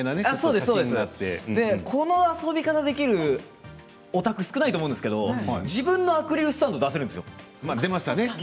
こんな遊び方できるおたくは少ないと思うんですけれど自分のアクリルスタンドを出せるんですよ。